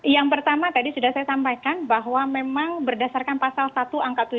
yang pertama tadi sudah saya sampaikan bahwa memang berdasarkan pasal satu angka tujuh